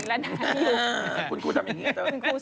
เอิงอ่าวอีกแล้วนะ